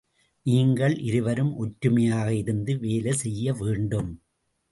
நீங்கள் இருவரும் ஒற்றுமையாக இருந்து வேலை செய்ய வேண்டும்.